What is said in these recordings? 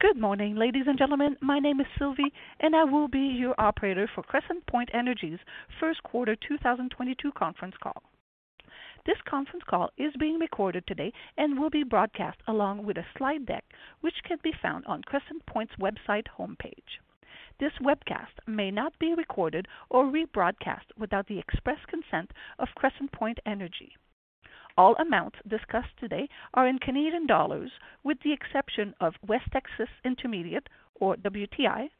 Good morning, ladies and gentlemen. My name is Sylvie, and I will be your operator for Crescent Point Energy's first quarter 2022 conference call. This conference call is being recorded today and will be broadcast along with a slide deck, which can be found on Crescent Point's website homepage. This webcast may not be recorded or rebroadcast without the express consent of Crescent Point Energy. All amounts discussed today are in Canadian dollars, with the exception of West Texas Intermediate or WTI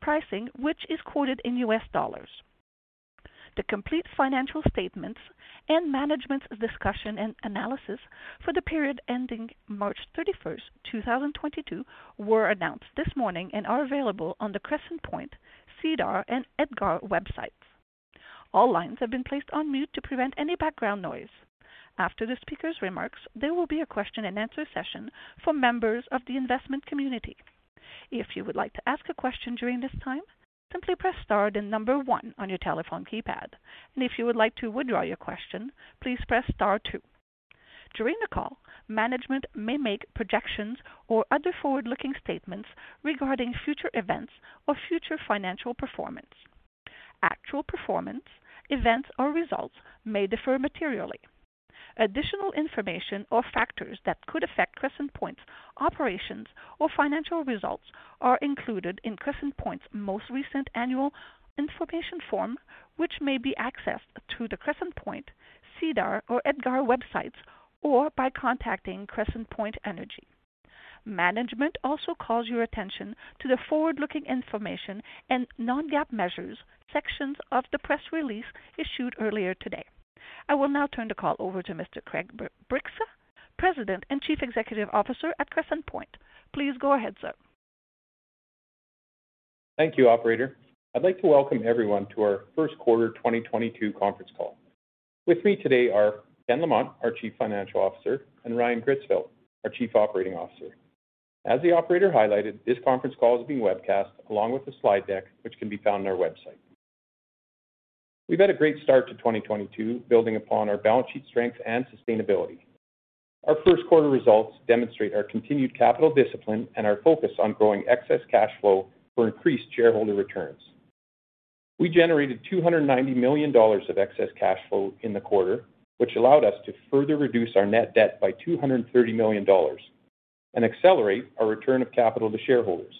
pricing, which is quoted in US dollars. The complete financial statements and management's discussion and analysis for the period ending March 31, 2022 were announced this morning and are available on the Crescent Point, SEDAR, and EDGAR websites. All lines have been placed on mute to prevent any background noise. After the speaker's remarks, there will be a question-and-answer session for members of the investment community. If you would like to ask a question during this time, simply press star then number one on your telephone keypad. If you would like to withdraw your question, please press star two. During the call, management may make projections or other forward-looking statements regarding future events or future financial performance. Actual performance, events, or results may differ materially. Additional information or factors that could affect Crescent Point's operations or financial results are included in Crescent Point's most recent annual information form, which may be accessed through the Crescent Point, SEDAR, or EDGAR websites, or by contacting Crescent Point. Management also calls your attention to the forward-looking information and non-GAAP measures sections of the press release issued earlier today. I will now turn the call over to Mr. Craig Bryksa, President and Chief Executive Officer at Crescent Point. Please go ahead, sir. Thank you, operator. I'd like to welcome everyone to our first quarter 2022 conference call. With me today are Ken Lamont, our Chief Financial Officer, and Ryan Gritzfeldt, our Chief Operating Officer. As the operator highlighted, this conference call is being webcast along with the slide deck, which can be found on our website. We've had a great start to 2022, building upon our balance sheet strength and sustainability. Our first quarter results demonstrate our continued capital discipline and our focus on growing excess cash flow for increased shareholder returns. We generated 290 million dollars of excess cash flow in the quarter, which allowed us to further reduce our net debt by 230 million dollars and accelerate our return of capital to shareholders.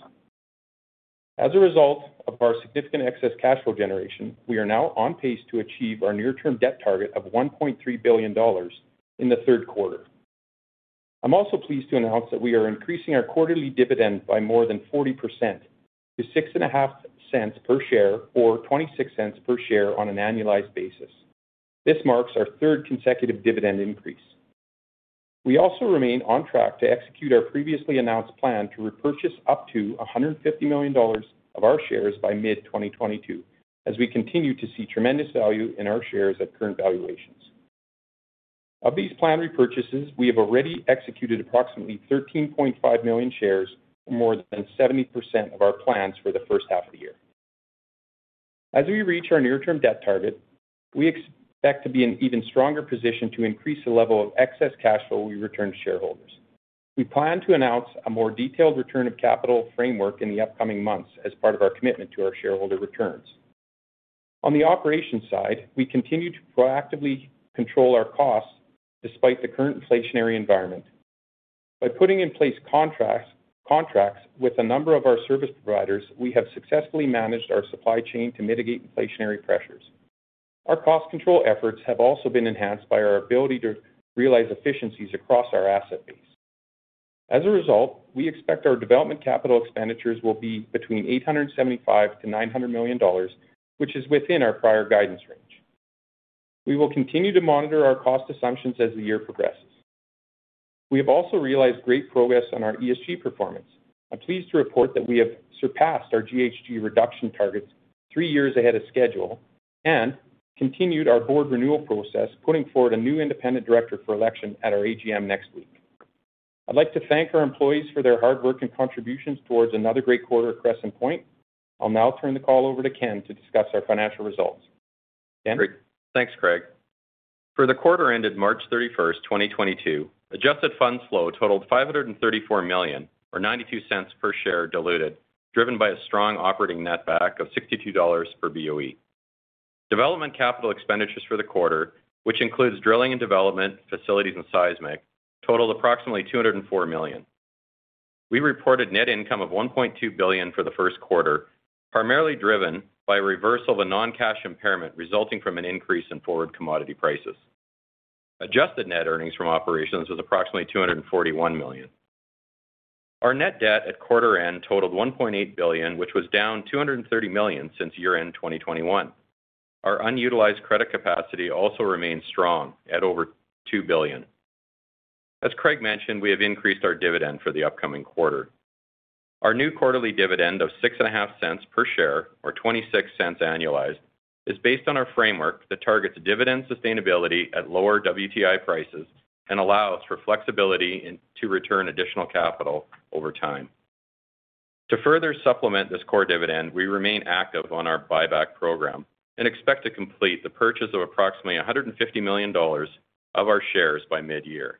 As a result of our significant excess cash flow generation, we are now on pace to achieve our near-term debt target of 1.3 billion dollars in the third quarter. I'm also pleased to announce that we are increasing our quarterly dividend by more than 40% to 0.065 per share or 0.26 per share on an annualized basis. This marks our third consecutive dividend increase. We also remain on track to execute our previously announced plan to repurchase up to 150 million dollars of our shares by mid-2022 as we continue to see tremendous value in our shares at current valuations. Of these planned repurchases, we have already executed approximately 13.5 million shares or more than 70% of our plans for the first half of the year. As we reach our near-term debt target, we expect to be in even stronger position to increase the level of excess cash flow we return to shareholders. We plan to announce a more detailed return of capital framework in the upcoming months as part of our commitment to our shareholder returns. On the operations side, we continue to proactively control our costs despite the current inflationary environment. By putting in place contracts with a number of our service providers, we have successfully managed our supply chain to mitigate inflationary pressures. Our cost control efforts have also been enhanced by our ability to realize efficiencies across our asset base. As a result, we expect our development capital expenditures will be between 875 million-900 million dollars, which is within our prior guidance range. We will continue to monitor our cost assumptions as the year progresses. We have also realized great progress on our ESG performance. I'm pleased to report that we have surpassed our GHG reduction targets three years ahead of schedule and continued our board renewal process, putting forward a new independent director for election at our AGM next week. I'd like to thank our employees for their hard work and contributions towards another great quarter at Crescent Point. I'll now turn the call over to Ken to discuss our financial results. Ken? Great. Thanks, Craig. For the quarter ended March 31, 2022, adjusted funds flow totaled 534 million or 0.92 per share diluted, driven by a strong operating netback of 62 dollars per BOE. Development capital expenditures for the quarter, which includes drilling and development, facilities and seismic, totaled approximately 204 million. We reported net income of 1.2 billion for the first quarter, primarily driven by a reversal of a non-cash impairment resulting from an increase in forward commodity prices. Adjusted net earnings from operations was approximately 241 million. Our net debt at quarter end totaled 1.8 billion, which was down 230 million since year-end 2021. Our unutilized credit capacity also remains strong at over 2 billion. As Craig mentioned, we have increased our dividend for the upcoming quarter. Our new quarterly dividend of 0.065 per share or 0.26 annualized is based on our framework that targets dividend sustainability at lower WTI prices and allows for flexibility to return additional capital over time. To further supplement this core dividend, we remain active on our buyback program and expect to complete the purchase of approximately 150 million dollars of our shares by mid-year.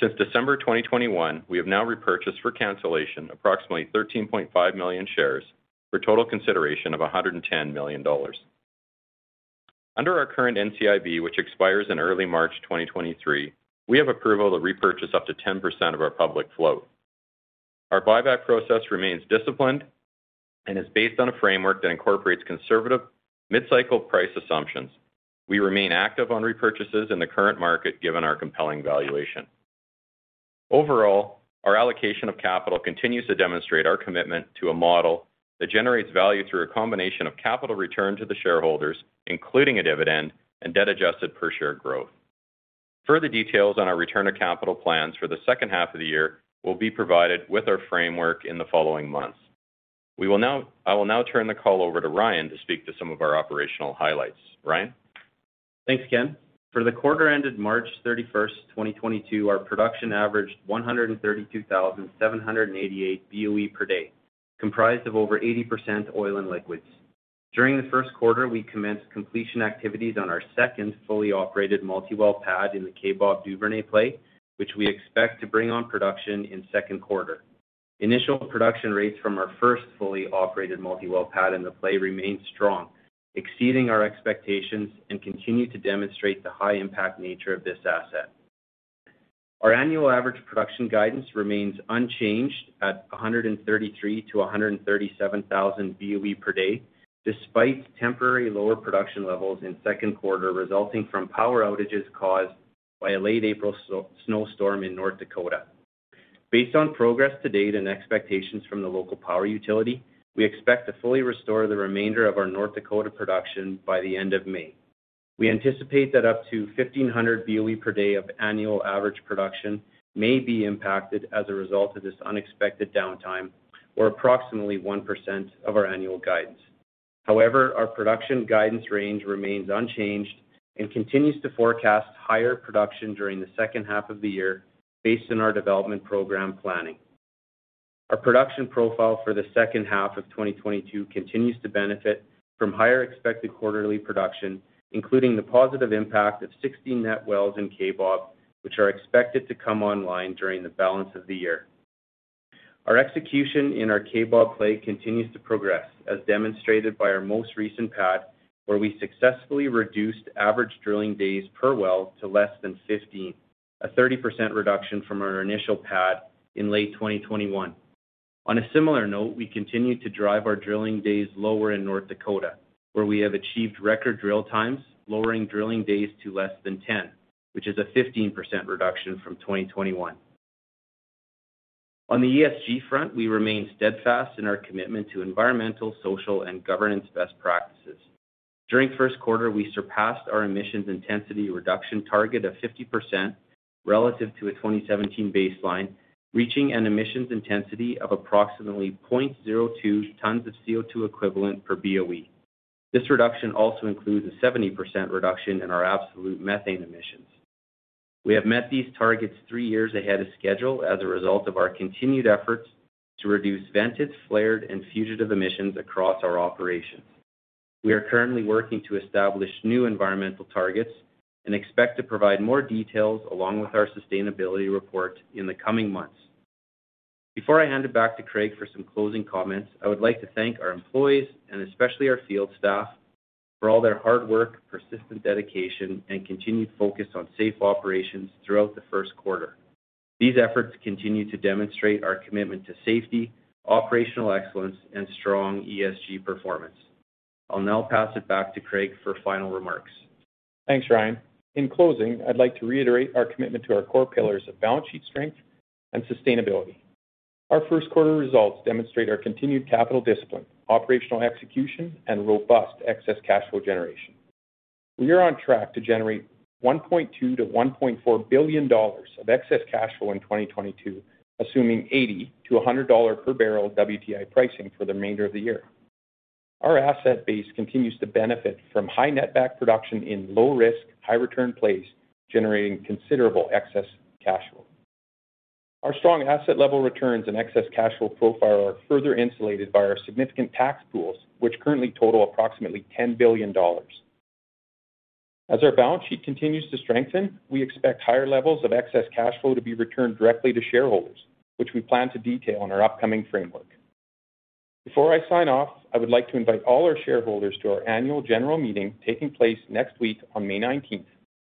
Since December 2021, we have now repurchased for cancellation approximately 13.5 million shares for total consideration of 110 million dollars. Under our current NCIB, which expires in early March 2023, we have approval to repurchase up to 10% of our public float. Our buyback process remains disciplined and is based on a framework that incorporates conservative mid-cycle price assumptions. We remain active on repurchases in the current market given our compelling valuation. Overall, our allocation of capital continues to demonstrate our commitment to a model that generates value through a combination of capital return to the shareholders, including a dividend and debt adjusted per share growth. Further details on our return of capital plans for the second half of the year will be provided with our framework in the following months. I will now turn the call over to Ryan to speak to some of our operational highlights. Ryan? Thanks, Ken. For the quarter ended March 31, 2022, our production averaged 132,788 BOE per day, comprised of over 80% oil and liquids. During the first quarter, we commenced completion activities on our second fully operated multi-well pad in the Kaybob Duvernay play, which we expect to bring on production in second quarter. Initial production rates from our first fully operated multi-well pad in the play remained strong, exceeding our expectations and continued to demonstrate the high impact nature of this asset. Our annual average production guidance remains unchanged at 133,000 BOE -137,000 BOE per day, despite temporary lower production levels in second quarter resulting from power outages caused by a late April snow storm in North Dakota. Based on progress to date and expectations from the local power utility, we expect to fully restore the remainder of our North Dakota production by the end of May. We anticipate that up to 1,500 BOE per day of annual average production may be impacted as a result of this unexpected downtime, or approximately 1% of our annual guidance. However, our production guidance range remains unchanged and continues to forecast higher production during the second half of the year based on our development program planning. Our production profile for the second half of 2022 continues to benefit from higher expected quarterly production, including the positive impact of 16 net wells in Kaybob, which are expected to come online during the balance of the year. Our execution in our Kaybob play continues to progress, as demonstrated by our most recent pad, where we successfully reduced average drilling days per well to less than 15, a 30% reduction from our initial pad in late 2021. On a similar note, we continue to drive our drilling days lower in North Dakota, where we have achieved record drill times, lowering drilling days to less than 10, which is a 15% reduction from 2021. On the ESG front, we remain steadfast in our commitment to environmental, social, and governance best practices. During first quarter, we surpassed our emissions intensity reduction target of 50% relative to a 2017 baseline, reaching an emissions intensity of approximately 0.02 tons of CO2 equivalent per BOE. This reduction also includes a 70% reduction in our absolute methane emissions. We have met these targets three years ahead of schedule as a result of our continued efforts to reduce vented, flared, and fugitive emissions across our operations. We are currently working to establish new environmental targets and expect to provide more details along with our sustainability report in the coming months. Before I hand it back to Craig for some closing comments, I would like to thank our employees, and especially our field staff, for all their hard work, persistent dedication, and continued focus on safe operations throughout the first quarter. These efforts continue to demonstrate our commitment to safety, operational excellence, and strong ESG performance. I'll now pass it back to Craig for final remarks. Thanks, Ryan. In closing, I'd like to reiterate our commitment to our core pillars of balance sheet strength and sustainability. Our first quarter results demonstrate our continued capital discipline, operational execution, and robust excess cash flow generation. We are on track to generate 1.2 billion-1.4 billion dollars of excess cash flow in 2022, assuming $80-$100 per barrel WTI pricing for the remainder of the year. Our asset base continues to benefit from high netback production in low-risk, high-return plays, generating considerable excess cash flow. Our strong asset level returns and excess cash flow profile are further insulated by our significant tax pools, which currently total approximately 10 billion dollars. As our balance sheet continues to strengthen, we expect higher levels of excess cash flow to be returned directly to shareholders, which we plan to detail on our upcoming framework. Before I sign off, I would like to invite all our shareholders to our annual general meeting taking place next week on May nineteenth.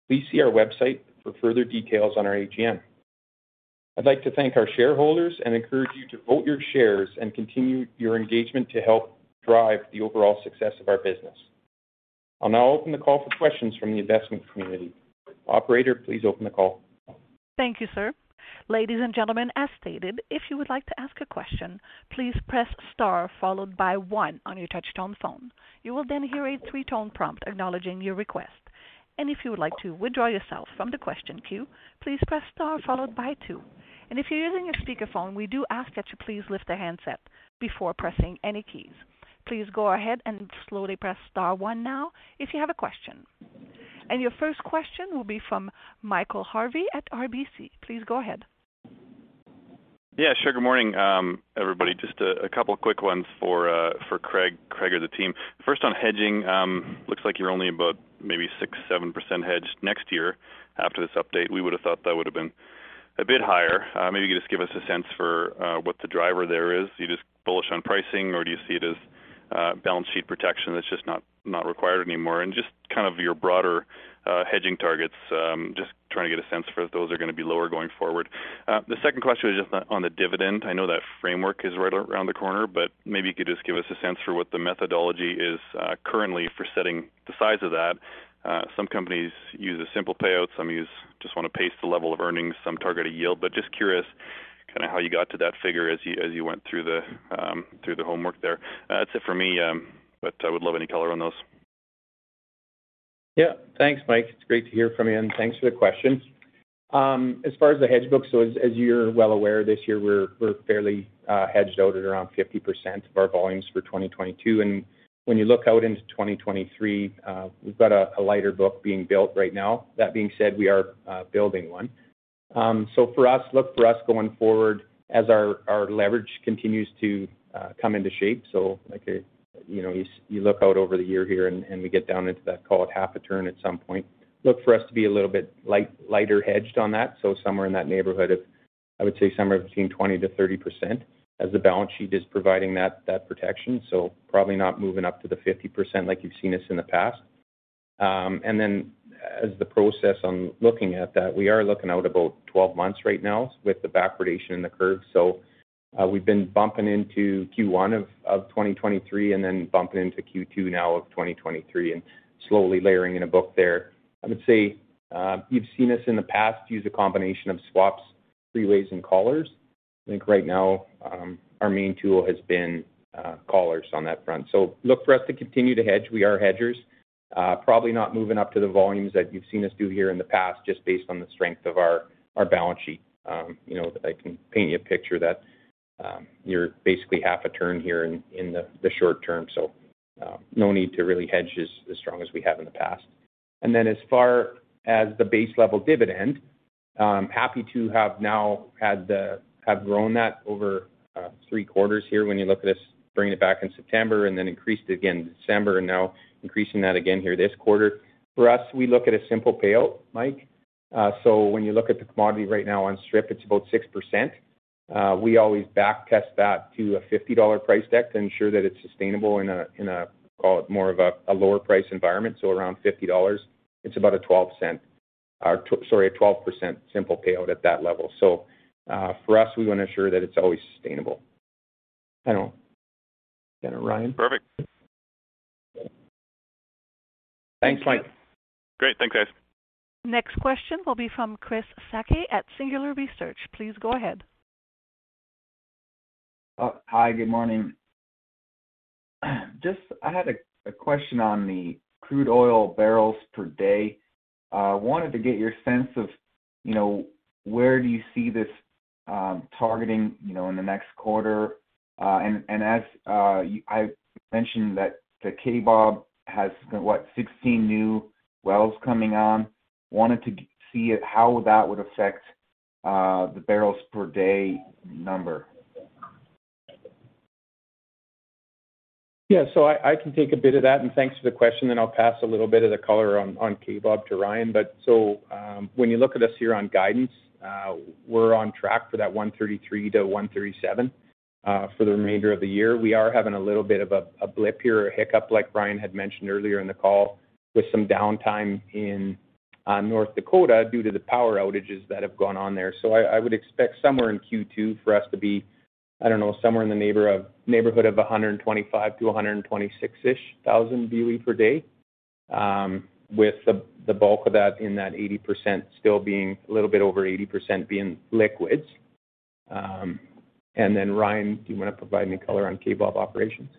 Please see our website for further details on our AGM. I'd like to thank our shareholders and encourage you to vote your shares and continue your engagement to help drive the overall success of our business. I'll now open the call for questions from the investment community. Operator, please open the call. Thank you, sir. Ladies and gentlemen, as stated, if you would like to ask a question, please press star followed by one on your touchtone phone. You will then hear a three-tone prompt acknowledging your request. If you would like to withdraw yourself from the question queue, please press star followed by two. If you're using a speakerphone, we do ask that you please lift the handset before pressing any keys. Please go ahead and slowly press star one now if you have a question. Your first question will be from Michael Harvey at RBC. Please go ahead. Yeah, sure. Good morning, everybody. Just a couple quick ones for Craig or the team. First on hedging, looks like you're only about maybe 6%-7% hedged next year after this update. We would have thought that would have been a bit higher. Maybe you could just give us a sense for what the driver there is. Are you just bullish on pricing, or do you see it as balance sheet protection that's just not required anymore? Just kind of your broader hedging targets, just trying to get a sense for if those are going to be lower going forward. The second question is just on the dividend. I know that framework is right around the corner, but maybe you could just give us a sense for what the methodology is, currently for setting the size of that. Some companies use a simple payout, some use just want to pace the level of earnings, some target a yield. Just curious kind of how you got to that figure as you went through the homework there. That's it for me, but I would love any color on those. Yeah. Thanks, Mike. It's great to hear from you, and thanks for the question. As far as the hedge book, as you're well aware, this year we're fairly hedged out at around 50% of our volumes for 2022. When you look out into 2023, we've got a lighter book being built right now. That being said, we are building one. For us, look for us going forward as our leverage continues to come into shape. Like a, you know, you look out over the year here and we get down into that, call it half a turn at some point. Look for us to be a little bit lighter hedged on that, so somewhere in that neighborhood of, I would say somewhere between 20%-30% as the balance sheet is providing that protection. Probably not moving up to the 50% like you've seen us in the past. As the process of looking at that, we are looking out about 12 months right now with the backwardation in the curve. We've been bumping into Q1 of 2023 and then bumping into Q2 of 2023 and slowly layering in a book there. I would say, you've seen us in the past use a combination of swaps, three-ways and collars. I think right now, our main tool has been collars on that front. Look for us to continue to hedge. We are hedgers. Probably not moving up to the volumes that you've seen us do here in the past, just based on the strength of our balance sheet. You know, I can paint you a picture that you're basically half a turn here in the short term, no need to really hedge as strong as we have in the past. Then as far as the base level dividend, happy to have grown that over three quarters here when you look at us bringing it back in September and then increased it again in December and now increasing that again here this quarter. For us, we look at a simple payout, Mike. When you look at the commodity right now on strip, it's about 6%. We always back test that to a $50 price deck to ensure that it's sustainable in a, call it more of a, lower price environment, so around $50. It's about a 12% simple payout at that level. For us, we want to ensure that it's always sustainable. I don't know. Going to Ryan? Perfect. Thanks, Mike. Great. Thanks, guys. Next question will be from Chris Sakai at Singular Research. Please go ahead. Hi, good morning. Just, I had a question on the crude oil barrels per day. Wanted to get your sense of, you know, where do you see this targeting, you know, in the next quarter? As I mentioned that the Kaybob has 16 new wells coming on. Wanted to see how that would affect the barrels per day number. I can take a bit of that, and thanks for the question, then I'll pass a little bit of the color on Kaybob to Ryan. When you look at us here on guidance, we're on track for that 133-137 for the remainder of the year. We are having a little bit of a blip here or a hiccup, like Ryan had mentioned earlier in the call, with some downtime in North Dakota due to the power outages that have gone on there. I would expect somewhere in Q2 for us to be, I don't know, somewhere in the neighborhood of 125,000 to 126-ish thousand BOE per day, with the bulk of that in that 80% still being a little bit over 80% being liquids. Ryan, do you want to provide any color on Kaybob operations?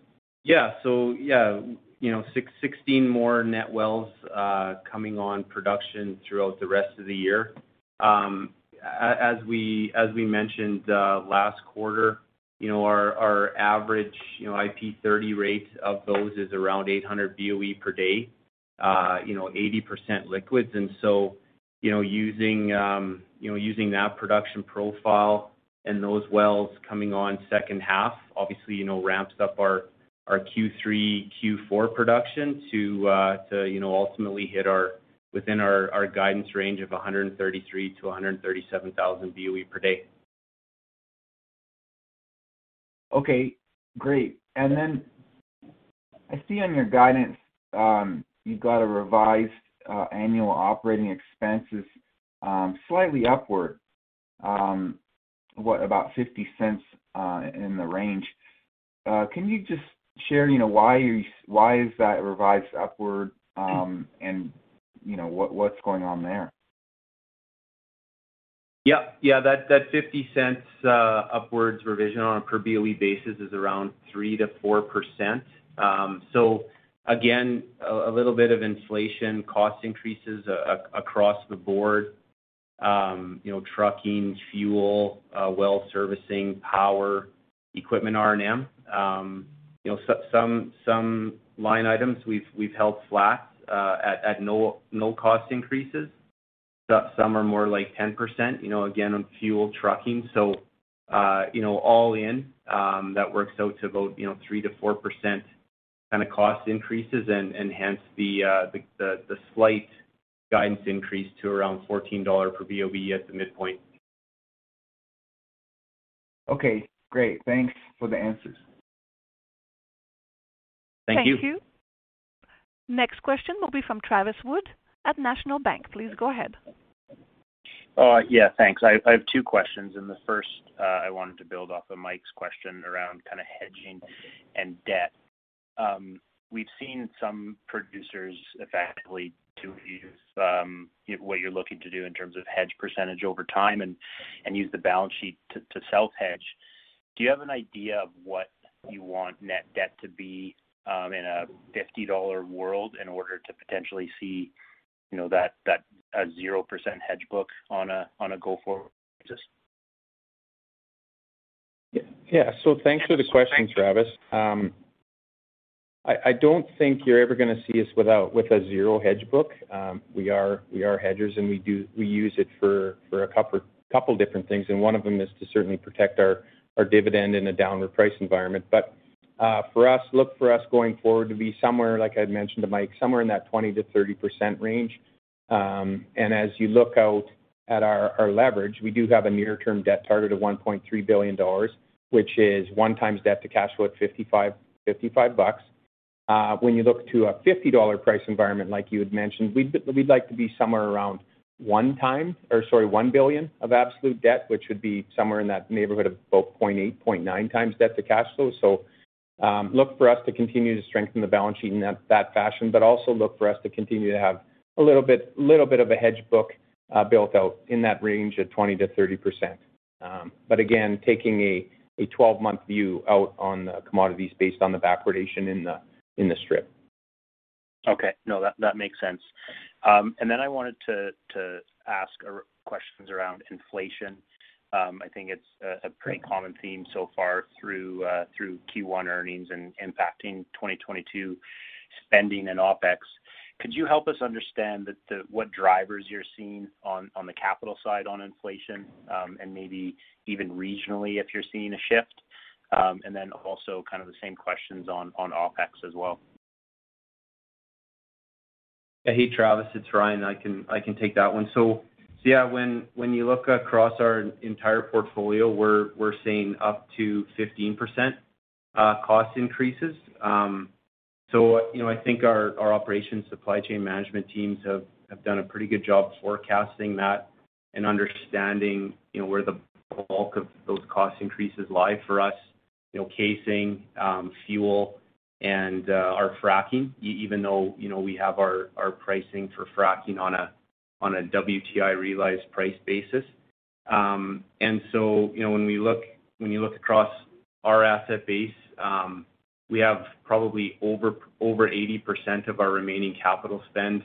Yeah. Yeah, you know, 16 more net wells coming on production throughout the rest of the year. As we mentioned last quarter, you know, our average you know IP30 rates of those is around 800 BOE per day, you know, 80% liquids. Using that production profile and those wells coming on second half, obviously, you know, ramps up our Q3, Q4 production to you know ultimately hit our within our guidance range of 133,000 BOE-137,000 BOE per day. Okay, great. I see on your guidance, you've got a revised annual operating expenses, slightly upward, what about 0.50 in the range. Can you just share, you know, why is that revised upward, and you know, what's going on there? Yeah. That 50 cents upwards revision on a per BOE basis is around 3%-4%. Again, a little bit of inflation, cost increases across the board. You know, trucking, fuel, well servicing, power, equipment R&M. You know, some line items we've held flat at no cost increases. Some are more like 10%, you know, again on fuel trucking. You know, all in, that works out to about, you know, 3%-4% kind of cost increases and hence the slight guidance increase to around 14 dollars per BOE at the midpoint. Okay, great. Thanks for the answers. Thank you. Thank you. Next question will be from Travis Wood at National Bank Financial. Please go ahead. Oh, yeah, thanks. I have two questions. The first, I wanted to build off of Mike's question around kind of hedging and debt. We've seen some producers effectively use, you know, what you're looking to do in terms of hedge percentage over time and use the balance sheet to self-hedge. Do you have an idea of what you want net debt to be in a $50 world in order to potentially see, you know, that a 0% hedge book on a go-forward basis? Yeah. Thanks for the question, Travis. I don't think you're ever going to see us with a zero hedge book. We are hedgers, and we use it for a couple different things, and one of them is to certainly protect our dividend in a downward price environment. For us, look for us going forward to be somewhere, like I'd mentioned to Mike, somewhere in that 20%-30% range. And as you look out at our leverage, we do have a near-term debt target of 1.3 billion dollars, which is 1x debt to cash flow at $55. When you look to a $50 price environment like you had mentioned, we'd like to be somewhere around 1 billion of absolute debt, which would be somewhere in that neighborhood of about 0.8x-0.9x debt to cash flow. Look for us to continue to strengthen the balance sheet in that fashion, but also look for us to continue to have a little bit of a hedge book built out in that range of 20%-30%. But again, taking a 12-month view out on the commodities based on the backwardation in the strip. Okay. No, that makes sense. I wanted to ask some questions around inflation. I think it's a pretty common theme so far through Q1 earnings and impacting 2022 spending and OpEx. Could you help us understand what drivers you're seeing on the capital side on inflation, and maybe even regionally if you're seeing a shift? Also kind of the same questions on OpEx as well. Hey, Travis, it's Ryan. I can take that one. When you look across our entire portfolio, we're seeing up to 15% cost increases. You know, I think our operations supply chain management teams have done a pretty good job forecasting that and understanding, you know, where the bulk of those cost increases lie for us. You know, casing, fuel, and our fracking, even though, you know, we have our pricing for fracking on a WTI realized price basis. You know, when you look across our asset base, we have probably over 80% of our remaining capital spend,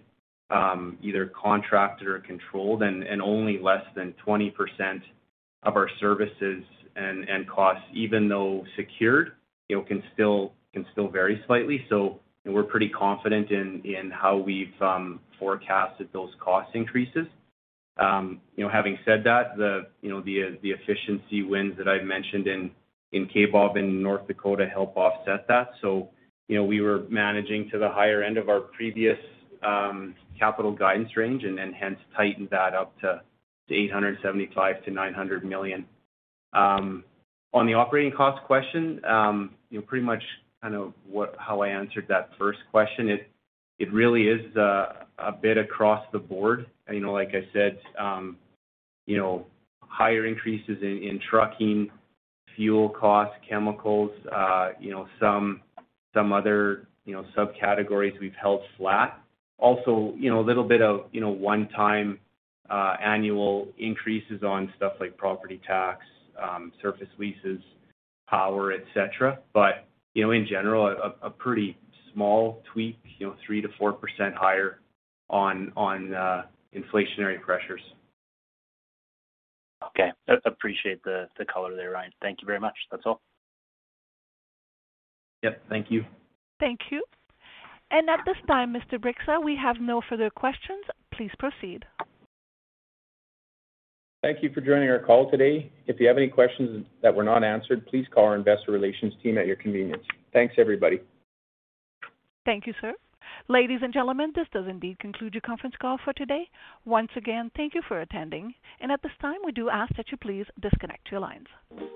either contracted or controlled, and only less than 20% of our services and costs, even though secured, you know, can still vary slightly. You know, we're pretty confident in how we've forecasted those cost increases. You know, having said that, the efficiency wins that I've mentioned in Kaybob in North Dakota help offset that. You know, we were managing to the higher end of our previous capital guidance range and then hence tightened that up to 875 million-900 million. On the operating cost question, you know, pretty much kind of how I answered that first question. It really is a bit across the board. You know, like I said, you know, higher increases in trucking, fuel costs, chemicals, you know, some other subcategories we've held flat. Also, you know, a little bit of, you know, one-time annual increases on stuff like property tax, surface leases, power, et cetera. You know, in general, a pretty small tweak, you know, 3%-4% higher on inflationary pressures. Okay. Appreciate the color there, Ryan. Thank you very much. That's all. Yep. Thank you. Thank you. At this time, Mr. Bryksa, we have no further questions. Please proceed. Thank you for joining our call today. If you have any questions that were not answered, please call our investor relations team at your convenience. Thanks, everybody. Thank you, sir. Ladies and gentlemen, this does indeed conclude your conference call for today. Once again, thank you for attending. At this time, we do ask that you please disconnect your lines.